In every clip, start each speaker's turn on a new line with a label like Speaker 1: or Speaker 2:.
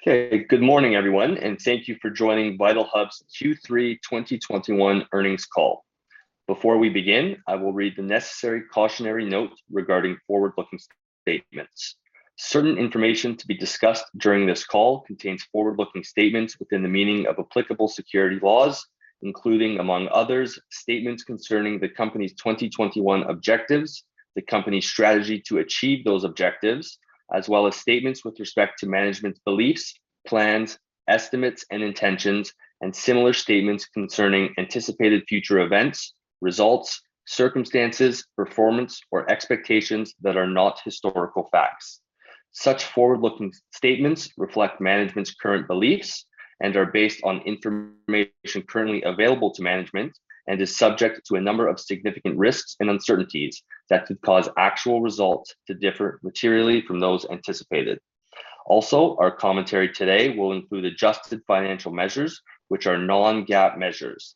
Speaker 1: Okay. Good morning, everyone, and thank you for joining Vitalhub's Q3 2021 earnings call. Before we begin, I will read the necessary cautionary note regarding forward-looking statements. Certain information to be discussed during this call contains forward-looking statements within the meaning of applicable securities laws, including, among others, statements concerning the company's 2021 objectives, the company's strategy to achieve those objectives, as well as statements with respect to management's beliefs, plans, estimates, and intentions, and similar statements concerning anticipated future events, results, circumstances, performance, or expectations that are not historical facts. Such forward-looking statements reflect management's current beliefs and are based on information currently available to management and is subject to a number of significant risks and uncertainties that could cause actual results to differ materially from those anticipated. Also, our commentary today will include adjusted financial measures, which are non-GAAP measures.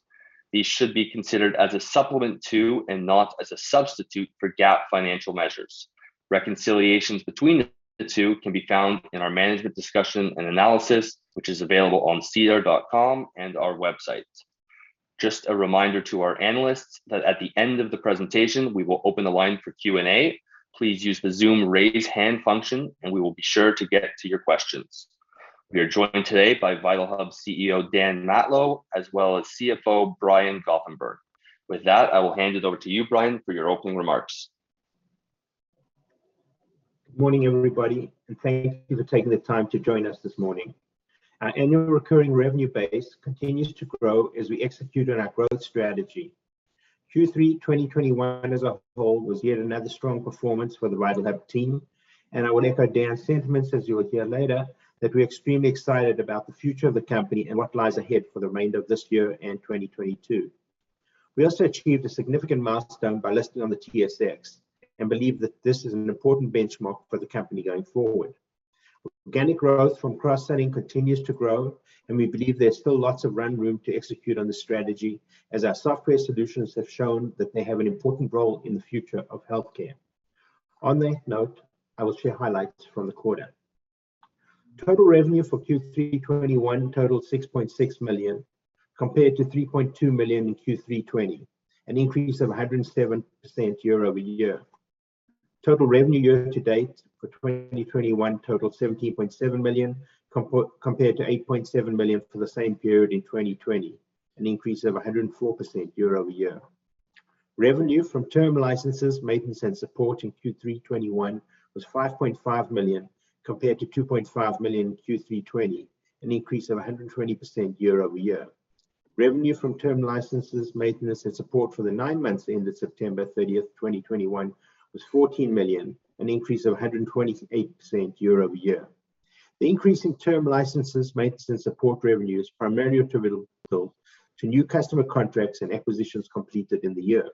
Speaker 1: These should be considered as a supplement to and not as a substitute for GAAP financial measures. Reconciliations between the two can be found in our management discussion and analysis, which is available on sedar.com and our website. Just a reminder to our analysts that at the end of the presentation, we will open the line for Q&A. Please use the Zoom Raise Hand function, and we will be sure to get to your questions. We are joined today by Vitalhub CEO Dan Matlow, as well as CFO Brian Goffenberg. With that, I will hand it over to you, Brian, for your opening remarks.
Speaker 2: Morning, everybody, and thank you for taking the time to join us this morning. Our annual recurring revenue base continues to grow as we execute on our growth strategy. Q3 2021, as a whole, was yet another strong performance for the Vitalhub team, and I will echo Dan's sentiments, as you will hear later, that we're extremely excited about the future of the company and what lies ahead for the remainder of this year and 2022. We also achieved a significant milestone by listing on the TSX and believe that this is an important benchmark for the company going forward. Organic growth from cross-selling continues to grow, and we believe there's still lots of run room to execute on this strategy as our software solutions have shown that they have an important role in the future of healthcare. On that note, I will share highlights from the quarter. Total revenue for Q3 2021 totaled 6.6 million, compared to 3.2 million in Q3 2020, an increase of 107% year-over-year. Total revenue year-to-date for 2021 totaled 17.7 million compared to 8.7 million for the same period in 2020, an increase of 104% year-over-year. Revenue from term licenses, maintenance, and support in Q3 2021 was 5.5 million, compared to 2.5 million in Q3 2020, an increase of 120% year-over-year. Revenue from term licenses, maintenance, and support for the nine months ended September 30th, 2021, was 14 million, an increase of 128% year-over-year. The increase in term licenses, maintenance, and support revenue is primarily attributable to new customer contracts and acquisitions completed in the year.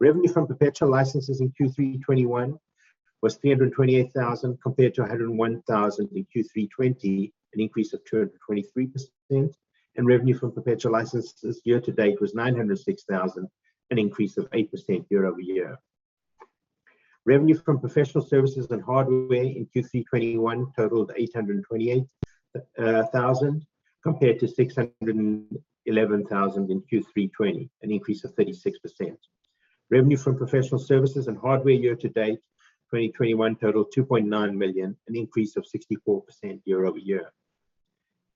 Speaker 2: Revenue from perpetual licenses in Q3 2021 was 328,000, compared to 101,000 in Q3 2020, an increase of 223%. Revenue from perpetual licenses year-to-date was 906,000, an increase of 8% year-over-year. Revenue from professional services and hardware in Q3 2021 totaled 828,000 compared to 611,000 in Q3 2020, an increase of 36%. Revenue from professional services and hardware year-to-date 2021 totaled 2.9 million, an increase of 64% year-over-year.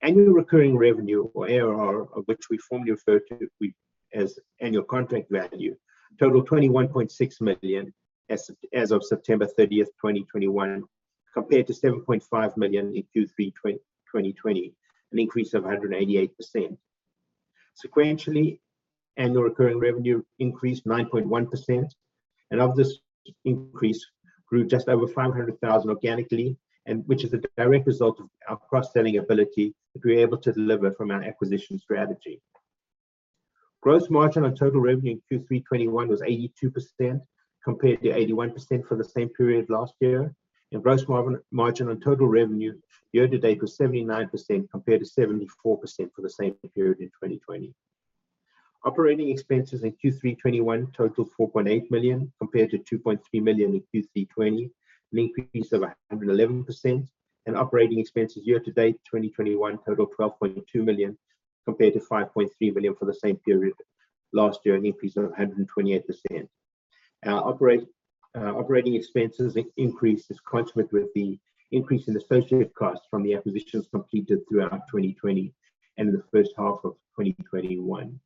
Speaker 2: Annual recurring revenue or ARR, which we formerly referred to as annual contract value, totaled 21.6 million as of September 30th, 2021, compared to 7.5 million in Q3 2020, an increase of 188%. Sequentially, annual recurring revenue increased 9.1%, and of this increase grew just over 500,000 organically, and which is a direct result of our cross-selling ability that we're able to deliver from our acquisition strategy. Gross margin on total revenue in Q3 2021 was 82% compared to 81% for the same period last year. Gross margin on total revenue year-to-date was 79% compared to 74% for the same period in 2020. Operating expenses in Q3 2021 totaled 4.8 million, compared to 2.3 million in Q3 2020, an increase of 111%. Operating expenses year-to-date, 2021 totaled 12.2 million, compared to 5.3 million for the same period last year, an increase of 128%. Our operating expenses increase is consonant with the increase in associated costs from the acquisitions completed throughout 2020 and in the first half of 2021.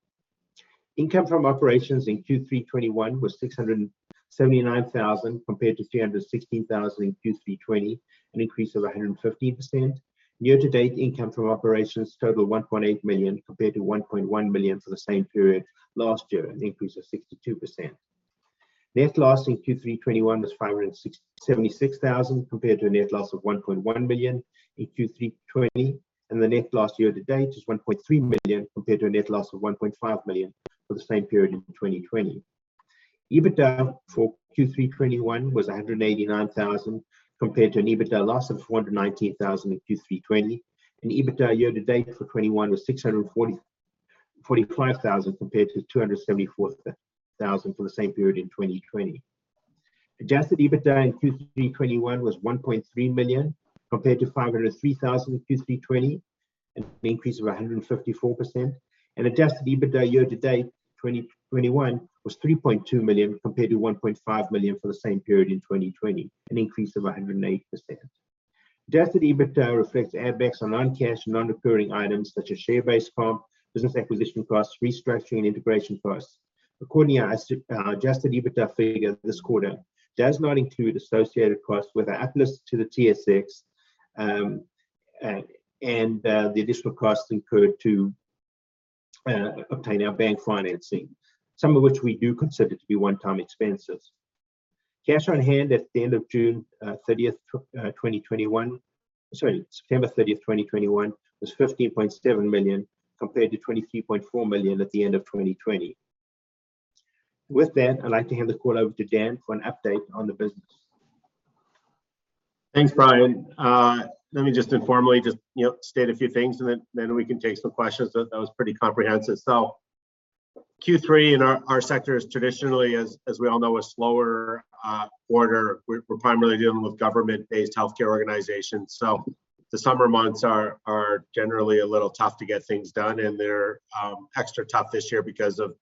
Speaker 2: Income from operations in Q3 2021 was 679,000, compared to 316,000 in Q3 2020, an increase of 150%. Year-to-date income from operations totaled 1.8 million, compared to 1.1 million for the same period last year, an increase of 62%. Net loss in Q3 2021 was 576,000, compared to a net loss of 1.1 million in Q3 2020. The net loss year-to-date is 1.3 million, compared to a net loss of 1.5 million for the same period in 2020. EBITDA for Q3 2021 was 189,000, compared to an EBITDA loss of 419,000 in Q3 2020. EBITDA year-to-date for 2021 was 645,000 compared to 274,000 for the same period in 2020. Adjusted EBITDA in Q3 2021 was 1.3 million compared to 503,000 in Q3 2020, an increase of 154%. Adjusted EBITDA year-to-date 2021 was 3.2 million compared to 1.5 million for the same period in 2020, an increase of 108%. Adjusted EBITDA reflects add-backs, non-cash and non-recurring items such as share-based comp, business acquisition costs, restructuring and integration costs. According to our adjusted EBITDA figure this quarter does not include associated costs with our uplisting to the TSX, and the additional costs incurred to obtain our bank financing, some of which we do consider to be one-time expenses. Cash on hand at the end of September 30th, 2021 was 15.7 million compared to 23.4 million at the end of 2020. With that, I'd like to hand the call over to Dan for an update on the business.
Speaker 3: Thanks, Brian. Let me just informally just state a few things, and then we can take some questions. That was pretty comprehensive. Q3 in our sector is traditionally, as we all know, a slower quarter. We're primarily dealing with government-based healthcare organizations. The summer months are generally a little tough to get things done, and they're extra tough this year because of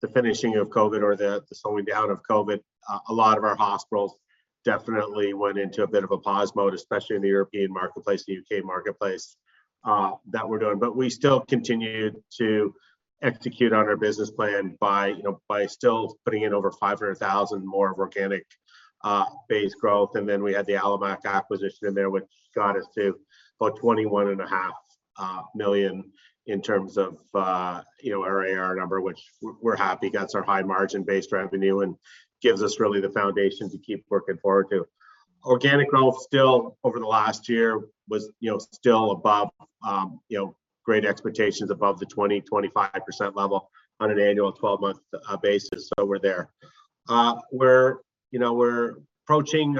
Speaker 3: the finishing of COVID or the slowing down of COVID. A lot of our hospitals definitely went into a bit of a pause mode, especially in the European marketplace, the U.K. marketplace that we're doing. We still continued to execute on our business plan by still putting in over 500,000 more of organic base growth. Then we had the Alamac acquisition in there, which got us to about 21.5 million in terms of our ARR number, which we're happy. That's our high margin-based revenue and gives us really the foundation to keep working forward too. Organic growth still over the last year was still above great expectations, above the 20%-25% level on an annual 12-month basis, so we're there. We're approaching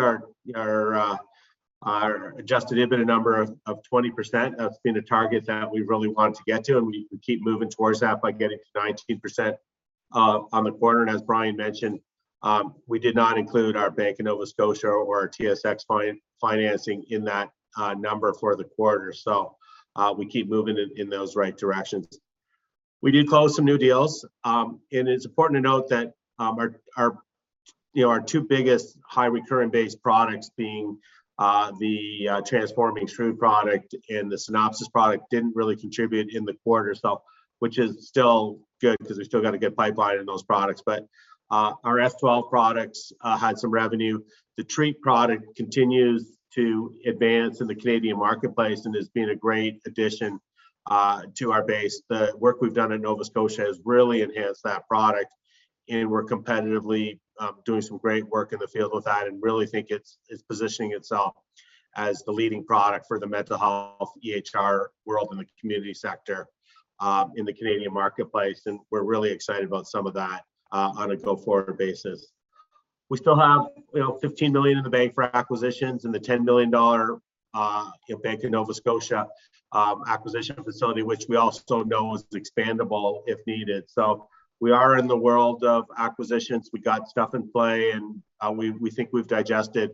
Speaker 3: our adjusted EBITDA number of 20%. That's been a target that we really wanted to get to, and we keep moving towards that by getting to 19% on the quarter. As Brian mentioned, we did not include our Bank of Nova Scotia or our TSX financing in that number for the quarter. We keep moving in those right directions. We did close some new deals. It's important to note that our you know our two biggest high recurrent base products being the Transforming Systems product and the Synopsis product didn't really contribute in the quarter itself, which is still good because we still got a good pipeline in those products. Our S12 products had some revenue. The TREAT product continues to advance in the Canadian marketplace and has been a great addition to our base. The work we've done in Nova Scotia has really enhanced that product, and we're competitively doing some great work in the field with that and really think it's positioning itself as the leading product for the mental health EHR world in the community sector in the Canadian marketplace, and we're really excited about some of that on a go-forward basis. We still have 15 billion in the bank for acquisitions and the 10 million dollar Bank of Nova Scotia acquisition facility, which we also know is expandable if needed. We are in the world of acquisitions. We got stuff in play, and we think we've digested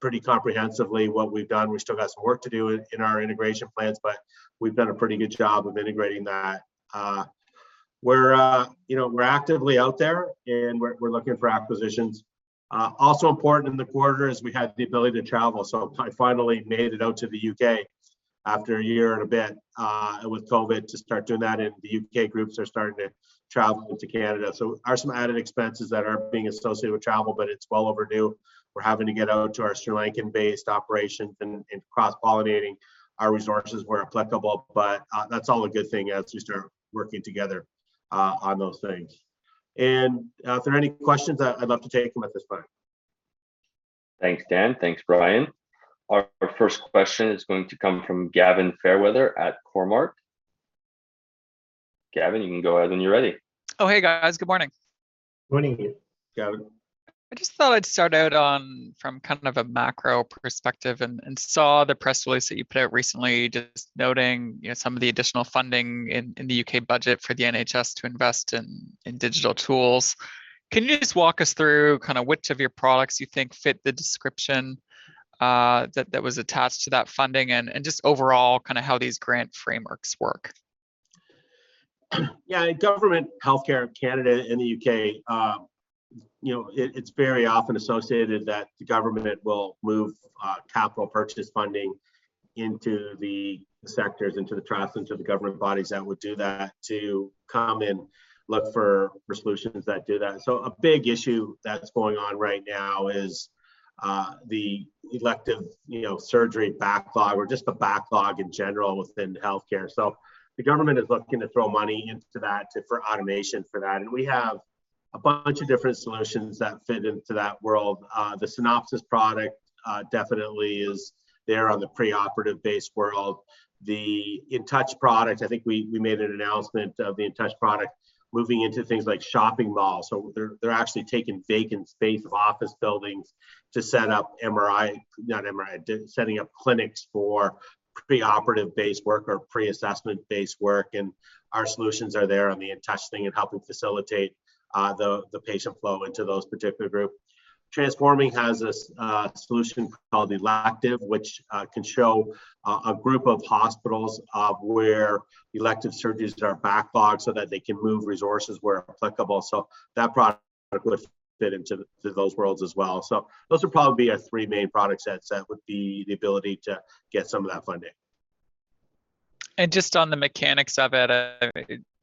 Speaker 3: pretty comprehensively what we've done. We still got some work to do in our integration plans, but we've done a pretty good job of integrating that. We're actively out there, and we're looking for acquisitions. Also important in the quarter is we had the ability to travel. I finally made it out to the U.K. after a year and a bit with COVID to start doing that, and the U.K. groups are starting to travel to Canada. There are some added expenses that are being associated with travel, but it's well overdue. We're having to get out to our Sri Lankan-based operations and cross-pollinating our resources where applicable. That's all a good thing as we start working together on those things. If there are any questions, I'd love to take them at this point.
Speaker 1: Thanks, Dan. Thanks, Brian. Our first question is going to come from Gavin Fairweather at Cormark. Gavin, you can go ahead when you're ready.
Speaker 4: Oh, hey, guys. Good morning.
Speaker 2: Morning, Gavin.
Speaker 3: Morning.
Speaker 4: I just thought I'd start out from kind of a macro perspective and saw the press release that you put out recently just noting some of the additional funding in the U.K. budget for the NHS to invest in digital tools. Can you just walk us through kind of which of your products you think fit the description that was attached to that funding and just overall kind of how these grant frameworks work?
Speaker 3: Yes. In government healthcare in Canada and the U.K., it's very often associated that the government will move capital purchase funding into the sectors, into the trusts, into the government bodies that would do that to come and look for solutions that do that. A big issue that's going on right now is the elective surgery backlog or just the backlog in general within healthcare. The government is looking to throw money into that for automation for that. We have a bunch of different solutions that fit into that world. The Synopsis product definitely is there on the preoperative-based world. The Intouch product, I think we made an announcement of the Intouch product moving into things like shopping malls. They're actually taking vacant space in office buildings to set up MRI... Not MRI, they're setting up clinics for preoperative-based work or pre-assessment-based work. Our solutions are there on the Intouch with Health and helping facilitate the patient flow into those particular groups. Transforming Systems has this solution called Elective Care Backlog, which can show a group of hospitals where elective surgeries are backlogged so that they can move resources where applicable. That product would fit into those worlds as well. Those are probably our three main product sets that would be the ability to get some of that funding.
Speaker 4: Just on the mechanics of it,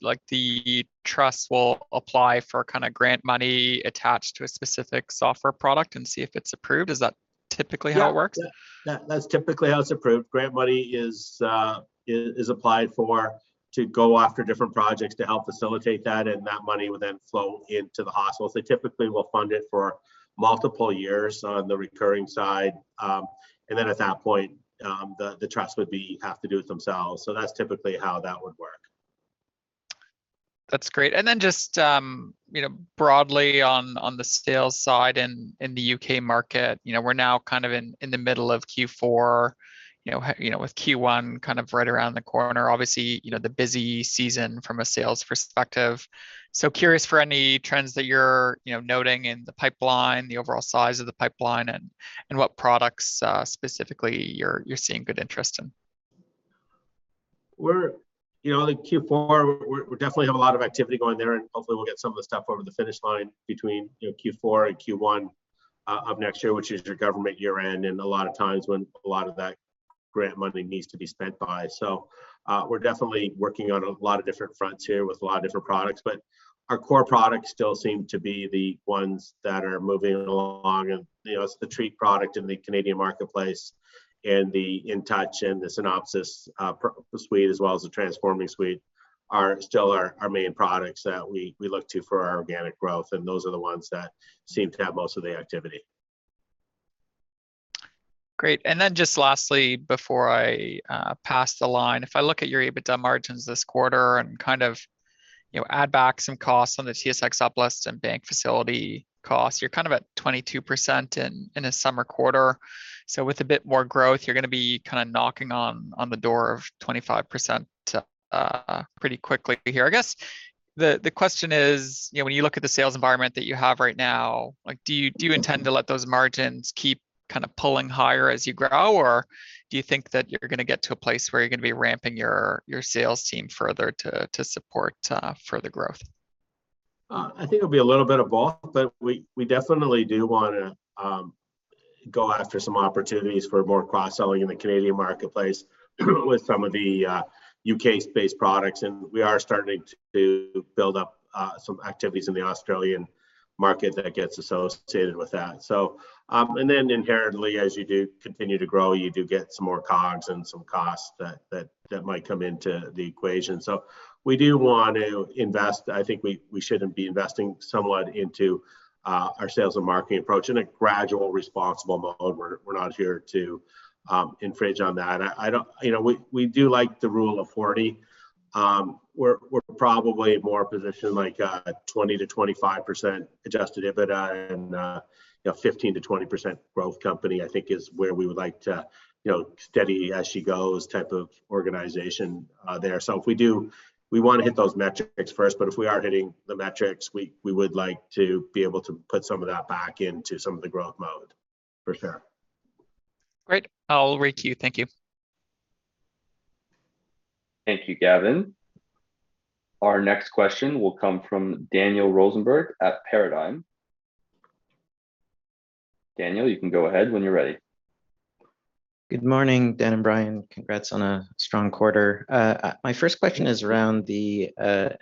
Speaker 4: like the trust will apply for kind of grant money attached to a specific software product and see if it's approved. Is that typically how it works?
Speaker 3: Yes. That’s typically how it’s approved. Grant money is applied for to go after different projects to help facilitate that, and that money would then flow into the hospitals. They typically will fund it for multiple years on the recurring side, and then at that point, the trusts would have to do it themselves. That’s typically how that would work.
Speaker 4: That's great. Just, broadly on the sales side in the U.K. market we're now kind of in the middle of Q4 you know with Q1 kind of right around the corner. Obviously, the busy season from a sales perspective. Curious for any trends that you're noting in the pipeline the overall size of the pipeline and what products specifically you're seeing good interest in.
Speaker 3: I think Q4 we definitely have a lot of activity going there, and hopefully we'll get some of the stuff over the finish line between Q4 and Q1 of next year, which is your government year-end in a lot of times when a lot of that grant money needs to be spent by. We're definitely working on a lot of different fronts here with a lot of different products but our core products still seem to be the ones that are moving along. It's the TREAT product in the Canadian marketplace and the Intouch and the Synopsis suite, as well as the Transforming Systems suite are still our main products that we look to for our organic growth, and those are the ones that seem to have most of the activity.
Speaker 4: Great. Then just lastly before I pass the line. If I look at your EBITDA margins this quarter and kind of add back some costs on the TSX uplisting and bank facility costs, you're kind of at 22% in a summer quarter. With a bit more growth, you're going to be kind of knocking on the door of 25%, pretty quickly here. I guess the question is, when you look at the sales environment that you have right now, like do you intend to let those margins keep kind of pulling higher as you grow? Or do you think that you're going to get to a place where you're going to be ramping your sales team further to support further growth?
Speaker 3: I think it'll be a little bit of both, but we definitely do want to go after some opportunities for more cross-selling in the Canadian marketplace with some of the U.K.-based products. We are starting to build up some activities in the Australian market that gets associated with that. Inherently as you do continue to grow, you do get some more COGS and some costs that might come into the equation. We do want to invest. I think we shouldn't be investing somewhat into our sales and marketing approach in a gradual, responsible mode. We're not here to infringe on that. I don't-- we do like the rule of 40. We're probably more positioned like 20%-25% adjusted EBITDA and 15%-20% growth company, I think is where we would like to steady-as-she-go type of organization there. If we do, we want to hit those metrics first, but if we aren't hitting the metrics, we would like to be able to put some of that back into some of the growth mode for sure.
Speaker 4: Great. I'll requeue. Thank you.
Speaker 1: Thank you, Gavin. Our next question will come from Daniel Rosenberg at Paradigm. Daniel, you can go ahead when you're ready.
Speaker 5: Good morning, Dan and Brian. Congrats on a strong quarter. My first question is around the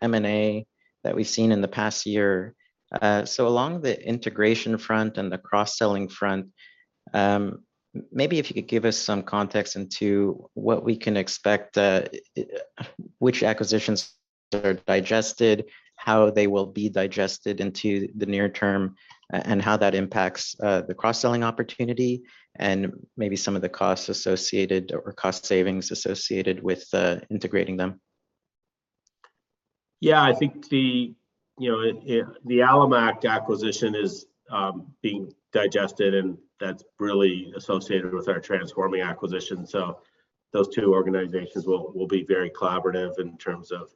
Speaker 5: M&A that we've seen in the past year. Along the integration front and the cross-selling front, maybe if you could give us some context into what we can expect, which acquisitions are digested, how they will be digested into the near term and how that impacts the cross-selling opportunity and maybe some of the costs associated or cost savings associated with integrating them.
Speaker 3: Yes. I think the Alamac acquisition is being digested, and that's really associated with our Transforming Systems acquisition. Those two organizations will be very collaborative in terms of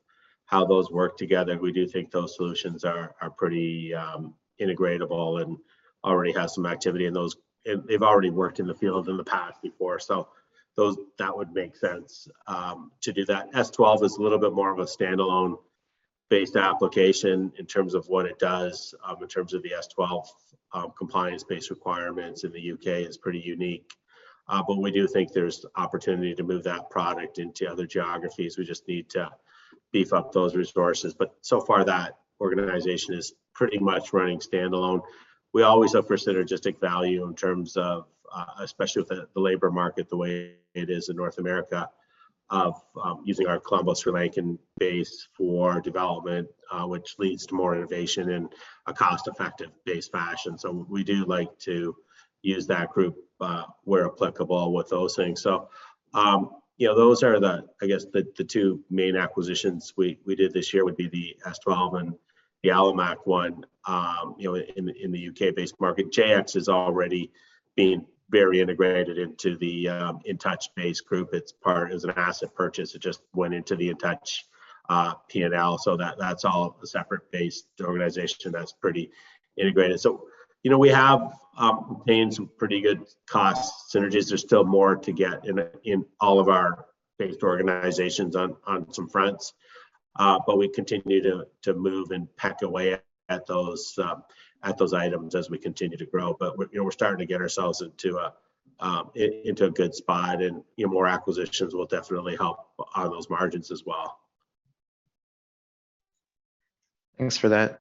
Speaker 3: how those work together. We do think those solutions are pretty integratable and already have some activity in those. They've already worked in the field in the past before, so that would make sense to do that. S12 is a little bit more of a standalone-based application in terms of what it does, in terms of the S12 compliance-based requirements in the U.K. is pretty unique. We do think there's opportunity to move that product into other geographies. We just need to beef up those resources. So far, that organization is pretty much running standalone. We always look for synergistic value in terms of, especially with the labor market the way it is in North America, using our Colombo, Sri Lankan base for development, which leads to more innovation in a cost-effective basis. We do like to use that group, where applicable with those things. Yes, those are the two main acquisitions we did this year would be the S12 and the Alamac one in the U.K.-based market. Jayex is already being very integrated into the Intouch base group. It's part of an asset purchase. It just went into the Intouch P&L. That's all a separate based organization that's pretty integrated.. we have obtained some pretty good cost synergies. There's still more to get in in all of our based organizations on some fronts. We continue to move and peck away at those items as we continue to grow. We're starting to get ourselves into a good spot and more acquisitions will definitely help on those margins as well.
Speaker 5: Thanks for that.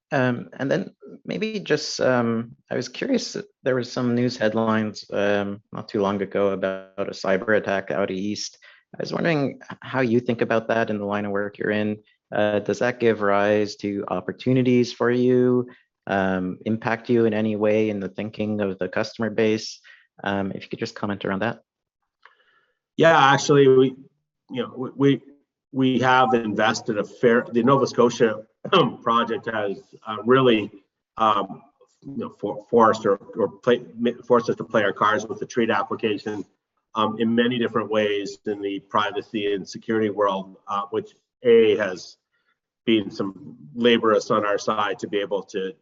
Speaker 5: Maybe just, I was curious, there was some news headlines, not too long ago about a cyberattack out east. I was wondering how you think about that in the line of work you're in. Does that give rise to opportunities for you, impact you in any way in the thinking of the customer base? If you could just comment around that.
Speaker 3: Yes. Actually, we have invested a fair... the Nova Scotia project has really forced us to play our cards with the TREAT application in many different ways in the privacy and security world, which has been laborious on our side to be able to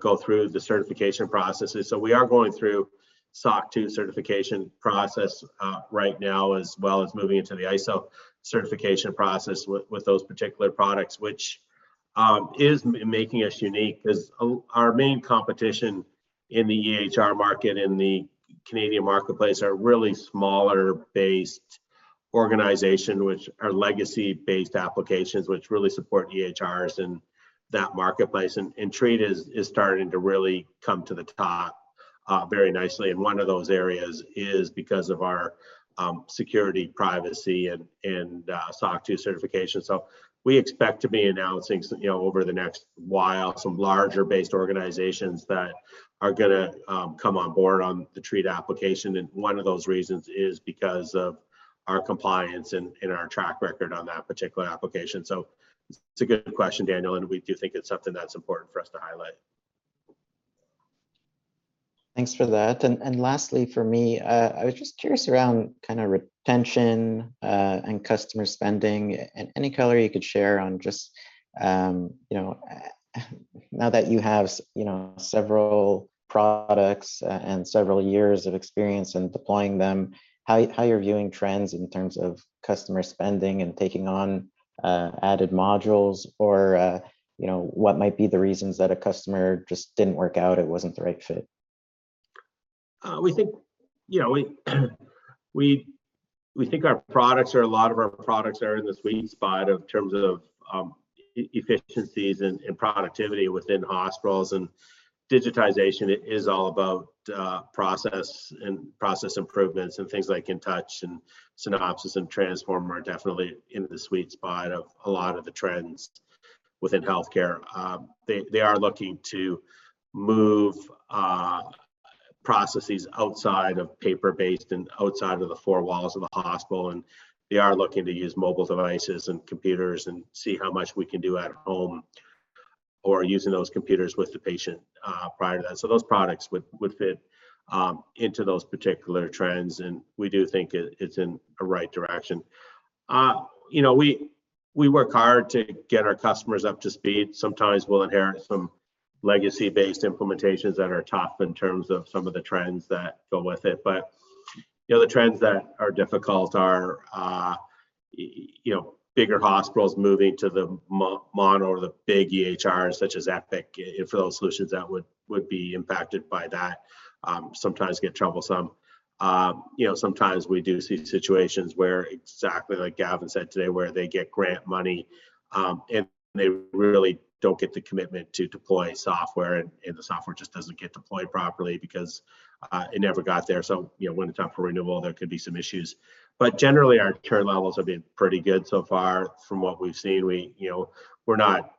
Speaker 3: go through the certification processes. We are going through SOC 2 certification process right now, as well as moving into the ISO certification process with those particular products, which is making us unique because our main competition in the EHR market, in the Canadian marketplace are really smaller-based organizations, which are legacy-based applications which really support EHRs in that marketplace. TREAT is starting to really come to the top very nicely. One of those areas is because of our security, privacy and SOC 2 certification. We expect to be announcing over the next while some larger based organizations that are going to come on board on the TREAT application. One of those reasons is because of our compliance and our track record on that particular application. It's a good question, Daniel, and we do think it's something that's important for us to highlight.
Speaker 5: Thanks for that. Lastly for me, I was just curious around kind of retention and customer spending and any color you could share on just now that you have several products and several years of experience in deploying them, how you're viewing trends in terms of customer spending and taking on added modules or what might be the reasons that a customer just didn't work out or wasn't the right fit?
Speaker 3: We think, a lot of our products are in the sweet spot in terms of efficiencies and productivity within hospitals. Digitization is all about process improvements and things like Intouch and Synopsis and Transform are definitely in the sweet spot of a lot of the trends within healthcare. They are looking to move processes outside of paper-based and outside of the four walls of the hospital, and they are looking to use mobile devices and computers and see how much we can do at home or using those computers with the patient prior to that. Those products would fit into those particular trends. We do think it's in the right direction. We work hard to get our customers up to speed. Sometimes, we'll inherit some legacy-based implementations that are tough in terms of some of the trends that go with it but the trends that are difficult are: bigger hospitals moving to the mono or the big EHRs such as Epic, if those solutions that would be impacted by that sometimes get troublesome. Sometimes, we do see situations where exactly like Gavin said today, where they get grant money and they really don't get the commitment to deploy software and the software just doesn't get deployed properly because it never got there when it's time for renewal, there could be some issues. Generally our churn levels have been pretty good so far from what we've seen. We're not....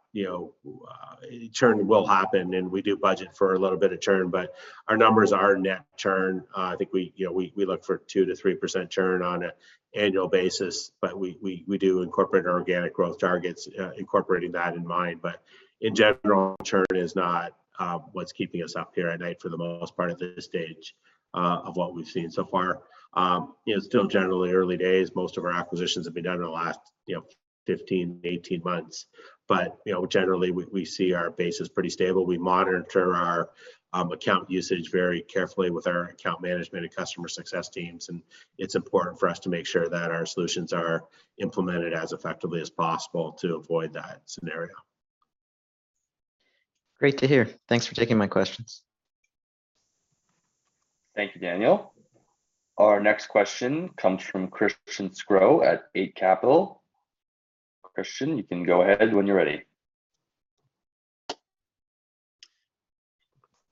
Speaker 3: Churn will happen and we do budget for a little bit of churn, but our numbers are net churn. I think we look for 2%-3% churn on an annual basis, but we do incorporate our organic growth targets, incorporating that in mind. In general, churn is not what's keeping us up here at night for the most part at this stage of what we've seen so far. Still generally early days, most of our acquisitions have been done in the last 15, 18 months but generally, we see our base is pretty stable. We monitor our account usage very carefully with our account management and customer success teams, and it's important for us to make sure that our solutions are implemented as effectively as possible to avoid that scenario.
Speaker 5: Great to hear. Thanks for taking my questions.
Speaker 1: Thank you, Daniel. Our next question comes from Christian Sgro at Eight Capital. Christian, you can go ahead when you're ready.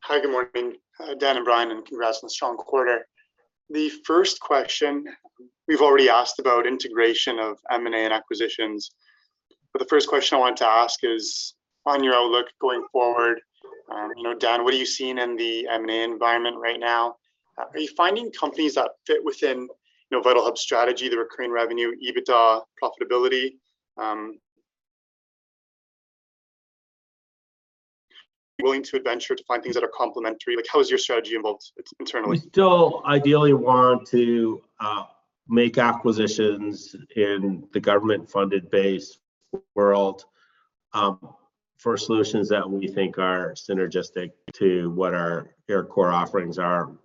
Speaker 6: Good morning, Dan and Brian, and congrats on the strong quarter. The first question, we've already asked about integration of M&A and acquisitions, but the first question I wanted to ask is on your outlook going forward. Dan, what are you seeing in the M&A environment right now? Are you finding companies that fit within Vitalhub strategy, the recurring revenue, EBITDA profitability? Willing to venture to find things that are complementary. Like, how is your strategy involved internally?
Speaker 3: We still ideally want to make acquisitions in the government-funded base world for solutions that we think are synergistic to what our core offerings are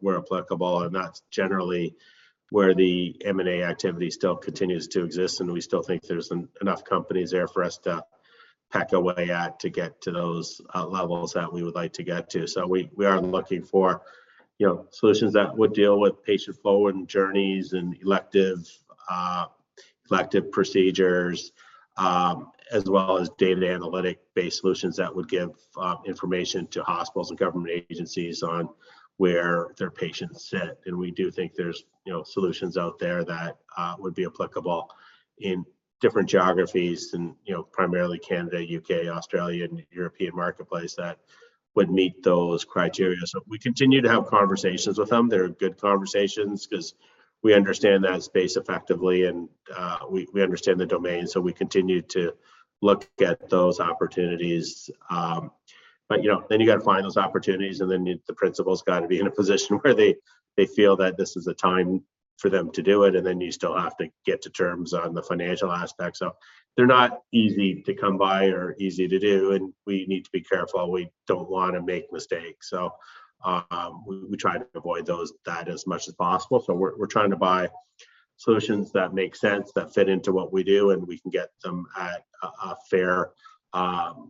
Speaker 3: where applicable, and that's generally where the M&A activity still continues to exist, and we still think there's enough companies there for us to peck away at to get to those levels that we would like to get to. So, we are looking for solutions that would deal with patient flow and journeys and elective procedures, as well as data analytic-based solutions that would give information to hospitals and government agencies on where their patients sit. We do think there's solutions out there that would be applicable in different geographies and primarily Canada, U.K., Australia, and European marketplace that would meet those criteria. We continue to have conversations with them. They're good conversations because we understand that space effectively, and we understand the domain, so we continue to look at those opportunities. Then you got to find those opportunities, and then the principal's got to be in a position where they feel that this is a time for them to do it, and then you still have to get to terms on the financial aspect. They're not easy to come by or easy to do, and we need to be careful. We don't want to make mistakes, so we try to avoid that as much as possible. We're trying to buy solutions that make sense, that fit into what we do, and we can get them at a fair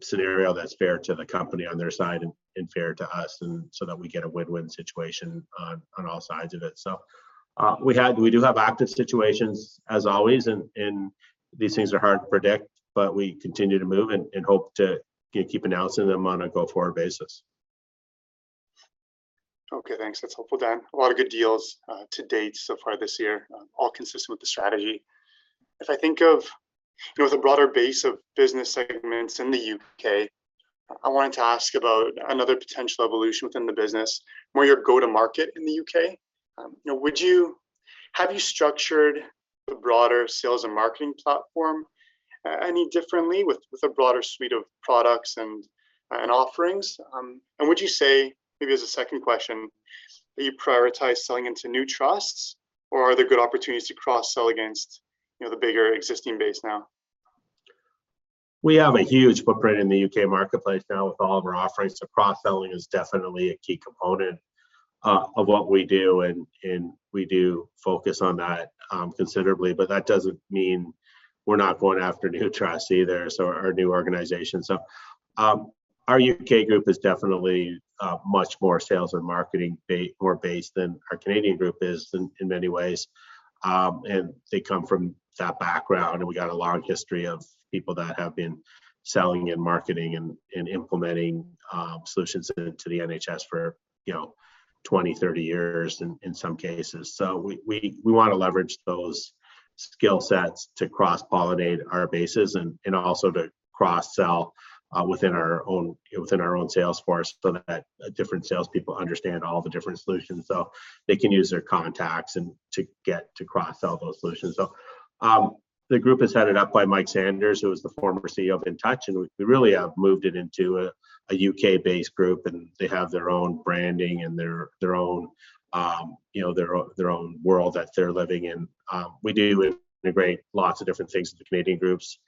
Speaker 3: scenario that's fair to the company on their side and fair to us so that we get a win-win situation on all sides of it. We do have active situations as always, and these things are hard to predict, but we continue to move and hope to keep announcing them on a go-forward basis.
Speaker 6: Okay, thanks. That's helpful, Dan. A lot of good deals to date so far this year, all consistent with the strategy. As I think of the broader base of business segments in the U.K., I wanted to ask about another potential evolution within the business, more your go-to-market in the U.K. Have you structured the broader sales and marketing platform any differently with the broader suite of products and offerings? And would you say, maybe as a second question, that you prioritize selling into new trusts or are there good opportunities to cross-sell against the bigger existing base now?
Speaker 3: We have a huge footprint in the U.K. marketplace now with all of our offerings, so cross-selling is definitely a key component of what we do, and we do focus on that considerably. That doesn't mean we're not going after new trusts either, or new organizations. Our U.K. group is definitely much more sales and marketing based than our Canadian group is in many ways. They come from that background, and we got a lot of history of people that have been selling and marketing and implementing solutions into the NHS for 20, 30 years in some cases. We want to leverage those skill sets to cross-pollinate our bases and also to cross-sell within our own sales force so that different salespeople understand all the different solutions, so they can use their contacts and to get to cross-sell those solutions. The group is headed up by Mike Sanders, who is the former CEO of Intouch, and we really have moved it into a U.K.-based group, and they have their own branding and their own world that they're living in. We do integrate lots of different things with the Canadian groups.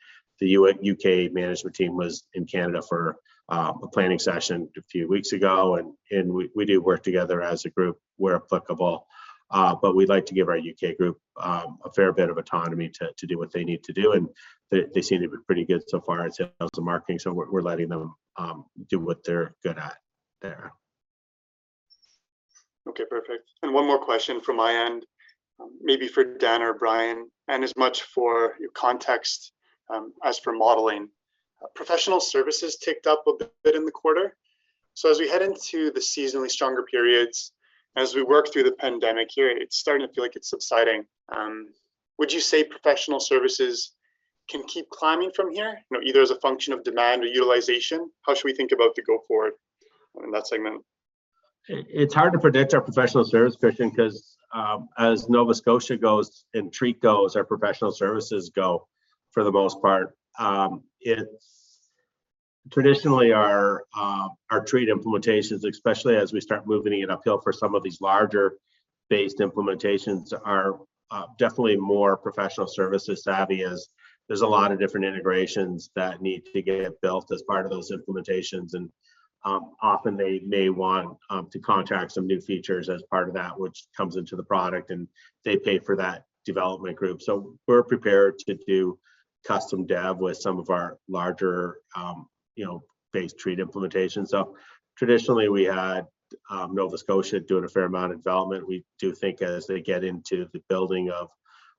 Speaker 3: The U.K. management team was in Canada for a planning session a few weeks ago, and we do work together as a group where applicable. We like to give our U.K. group a fair bit of autonomy to do what they need to do, and they seem to be pretty good so far at sales and marketing, so we're letting them do what they're good at there.
Speaker 6: Okay, perfect. One more question from my end, maybe for Dan or Brian, and as much for your context, as for modeling. Professional services ticked up a bit in the quarter. As we head into the seasonally stronger periods, as we work through the pandemic here, it's starting to feel like it's subsiding. Would you say professional services can keep climbing from here either as a function of demand or utilization? How should we think about the go forward in that segment?
Speaker 3: It's hard to predict our professional service growth because as Nova Scotia goes and TREAT goes, our professional services go for the most part. Traditionally, our TREAT implementations, especially as we start moving it uphill for some of these larger base implementations are definitely more professional services savvy as there's a lot of different integrations that need to get built as part of those implementations. Often, they may want to contract some new features as part of that, which comes into the product, and they pay for that development group. We're prepared to do custom dev with some of our larger base TREAT implementations. Traditionally, we had Nova Scotia doing a fair amount of development. We do think as they get into the building of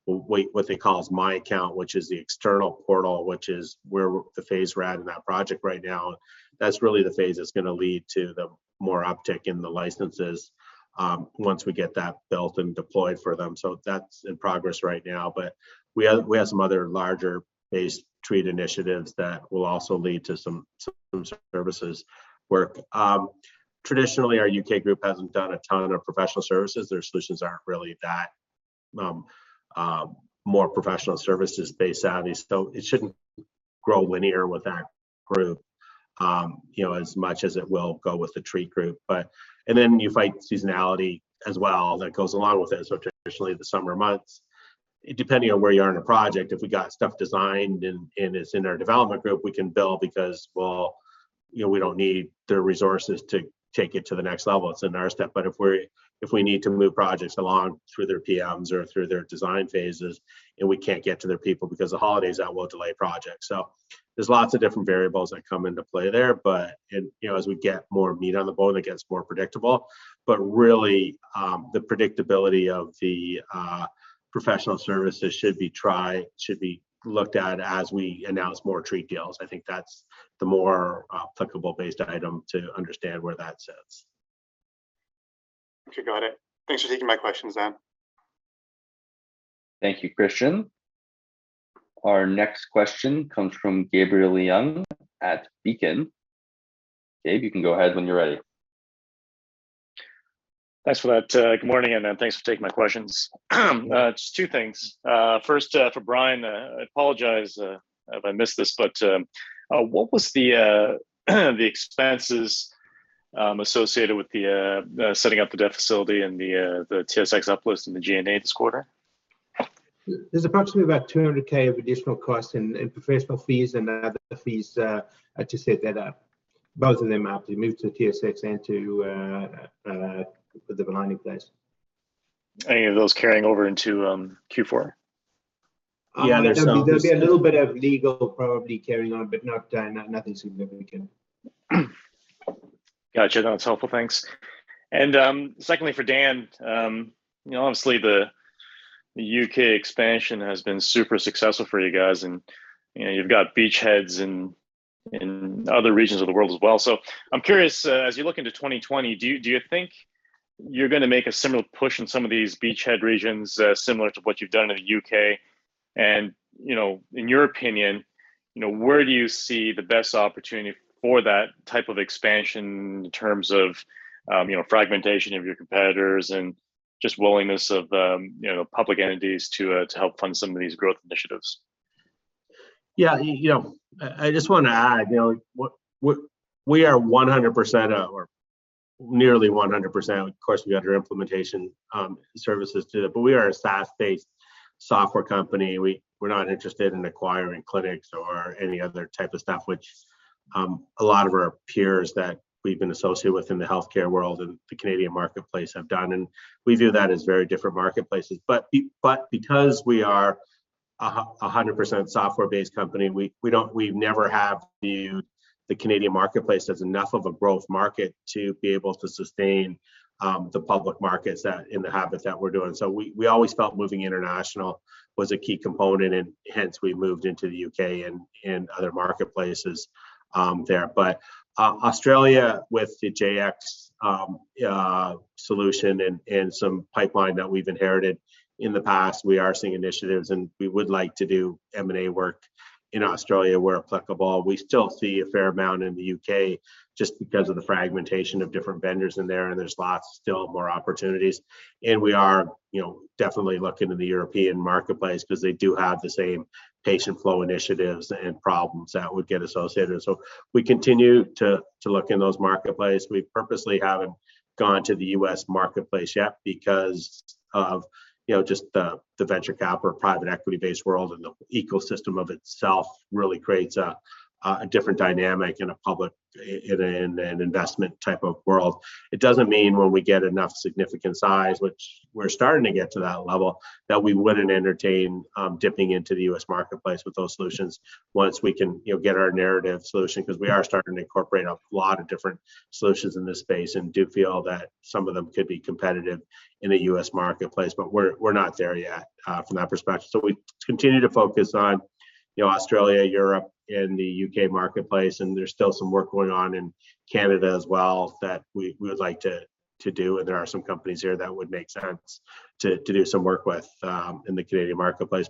Speaker 3: what they call My Account, which is the external portal, which is where the phase we're at in that project right now, that's really the phase that's going to lead to the more uptick in the licenses, once we get that built and deployed for them. That's in progress right now. We have some other larger base TREAT initiatives that will also lead to some services work. Traditionally our U.K. group hasn't done a ton of professional services. Their solutions aren't really that more professional services based out east, so it shouldn't grow linear with that group,. as much as it will go with the TREAT group. You fight seasonality as well, that goes along with it. Traditionally the summer months, depending on where you are in a project, if we got stuff designed and it's in our development group, we can build because, well, we don't need the resources to take it to the next level. It's in our step. But if we're, if we need to move projects along through their PMs or through their design phases and we can't get to their people because the holiday's out, we'll delay projects. There's lots of different variables that come into play there but as we get more meat on the bone, it gets more predictable. Really, the predictability of the professional services should be looked at as we announce more TREAT deals. I think that's the more applicable based item to understand where that sits.
Speaker 6: Okay. Got it. Thanks for taking my questions, Dan.
Speaker 1: Thank you, Christian. Our next question comes from Gabriel Leung at Beacon. Gabe, you can go ahead when you're ready.
Speaker 7: Thanks for that. Good morning, and thanks for taking my questions. Just two things. First, for Brian, I apologize if I missed this, but what was the expenses associated with the setting up the debt facility and the TSX uplift in the G&A this quarter?
Speaker 2: There's approximately about 200,000 of additional costs and professional fees and other fees to set both of them up, to move to TSX and to put the timing in place.
Speaker 7: Any of those carrying over into Q4?
Speaker 2: There'll be a little bit of legal probably carrying on, but nothing significant.
Speaker 7: Gotcha. That's helpful. Thanks. Secondly for Dan, obviously the U.K. expansion has been super successful for you guys, and you've got beachheads in other regions of the world as well. I'm curious, as you look into 2020, do you think you're going to make a similar push in some of these beachhead regions, similar to what you've done in the U.K.? And in your opinion, where do you see the best opportunity for that type of expansion in terms of fragmentation of your competitors and just willingness of public entities to help fund some of these growth initiatives?
Speaker 3: Yes. I just want to add. We are 100%, or nearly 100%, of course we have your implementation services to it, but we are a SaaS based software company. We're not interested in acquiring clinics or any other type of stuff, which a lot of our peers that we've been associated with in the healthcare world and the Canadian marketplace have done, and we view that as very different marketplaces. Because we are a 100% software-based company, we don't, we've never have viewed the Canadian marketplace as enough of a growth market to be able to sustain the public markets that and the habits that we're doing. We always felt moving international was a key component and hence we moved into the U.K. and other marketplaces there. Australia with the Jayex solution and some pipeline that we've inherited in the past, we are seeing initiatives and we would like to do M&A work in Australia where applicable. We still see a fair amount in the U.K. just because of the fragmentation of different vendors in there, and there's lots still more opportunities. We are,. definitely looking in the European marketplace because they do have the same patient flow initiatives and problems that would get associated. We continue to look in those marketplaces. We purposely haven't gone to the U.S. marketplace yet because of just the venture cap or private equity-based world and the ecosystem of itself really creates a different dynamic in a public investment type of world. It doesn't mean when we get enough significant size, which we're starting to get to that level, that we wouldn't entertain dipping into the U.S. marketplace with those solutions once we can get our narrative solution. because we are starting to incorporate a lot of different solutions in this space and do feel that some of them could be competitive in the U.S. marketplace, but we're not there yet from that perspective. We continue to focus on Australia, Europe, and the U.K. marketplace, and there's still some work going on in Canada as well that we would like to do, and there are some companies here that would make sense to do some work within the Canadian marketplace.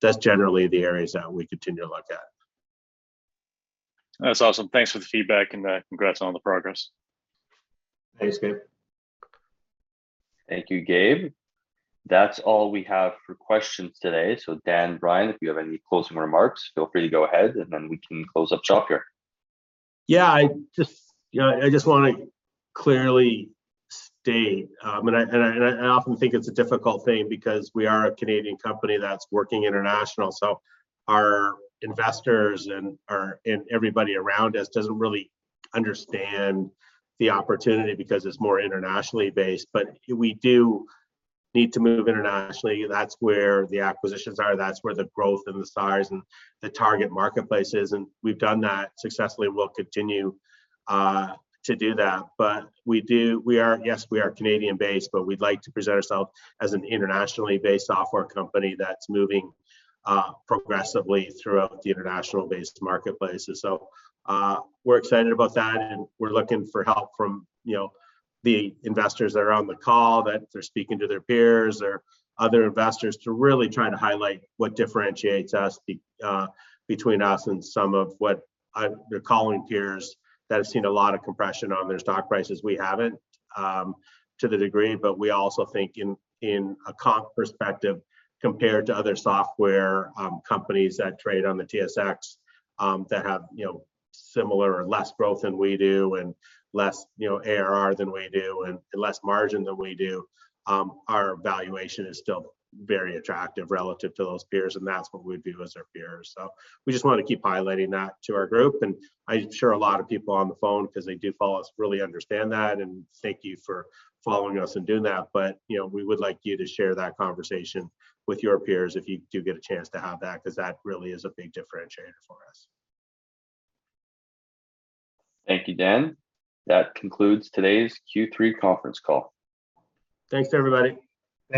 Speaker 3: That's generally the areas that we continue to look at.
Speaker 7: That's awesome. Thanks for the feedback and, congrats on all the progress.
Speaker 3: Thanks, Gabe.
Speaker 1: Thank you, Gabe. That's all we have for questions today. Dan, Brian, if you have any closing remarks, feel free to go ahead and then we can close up shop here.
Speaker 3: Yes, I just want to clearly state, and I often think it's a difficult thing because we are a Canadian company that's working internationally, so our investors and everybody around us doesn't really understand the opportunity because it's more internationally based. We do need to move internationally. That's where the acquisitions are, that's where the growth and the size and the target marketplace is, and we've done that successfully. We'll continue to do that. We are Canadian based, but we'd like to present ourselves as an internationally based software company that's moving progressively throughout the internationally based marketplaces. We're excited about that and we're looking for help from the investors that are on the call, that if they're speaking to their peers or other investors, to really try to highlight what differentiates us between us and some of what they're calling peers that have seen a lot of compression on their stock prices. We haven't to the degree, but we also think in a comp perspective compared to other software companies that trade on the TSX that have similar or less growth than we do and less ARR than we do and less margin than we do, our valuation is still very attractive relative to those peers, and that's what we view as our peers. We just want to keep highlighting that to our group. I'm sure a lot of people on the phone, because they do follow us, really understand that, and thank you for following us and doing that we would like you to share that conversation with your peers if you do get a chance to have that, because that really is a big differentiator for us.
Speaker 1: Thank you, Dan. That concludes today's Q3 conference call.
Speaker 3: Thanks everybody.
Speaker 2: Thanks.